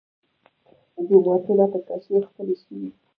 جوماتونه په کاشي ښکلي شوي.